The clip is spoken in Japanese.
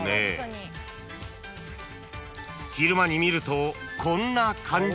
［昼間に見るとこんな感じ］